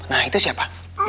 nah itu siapa